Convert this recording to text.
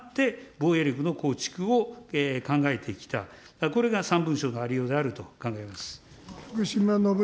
こうした中にあって、防衛力の構築を考えてきた、これが３文書のありようであると考えます。